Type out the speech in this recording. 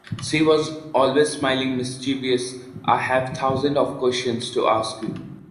She was always smiling, mischievous. I have thousands of questions to ask you.